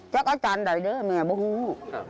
จักรอาจารย์ใดเด้อแม่บ่ฮู้